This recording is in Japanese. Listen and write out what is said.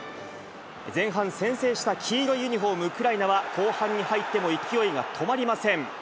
前半、先制した黄色いユニホーム、ウクライナは、後半に入っても勢いは止まりません。